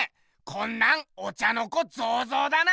こんなんお茶の子ゾウゾウだな！